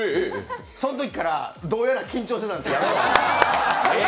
そのときから、どえりゃー緊張してたんですよ。